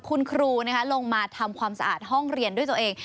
คุณครูลงมาทำความสะอาดห้องเรียนด้วยตัวเอง